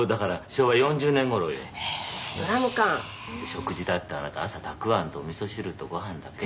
「食事だってあなた朝たくあんとおみそ汁とご飯だけよ」